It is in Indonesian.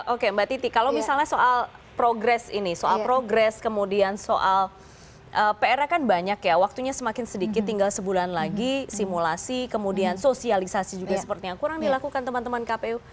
oke mbak titi kalau misalnya soal progres ini soal progres kemudian soal pr nya kan banyak ya waktunya semakin sedikit tinggal sebulan lagi simulasi kemudian sosialisasi juga seperti yang kurang dilakukan teman teman kpu